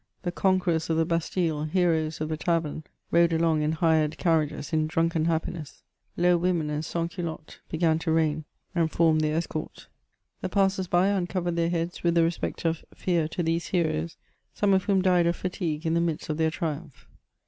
The conquerors of the Bastille^ heroes of the tavern, rode along in hired carriages, in drunken happiness ; low women and sanS'Coulottes began to reign, and . formed their escort. The passers<by uncovered their heads with the respect of fear to these heroes, some of whom died of fatigue in the midst of their triumph.